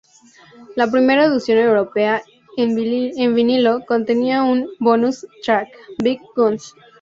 La primera edición europea en vinilo contenía un bonus track, "Big Guns".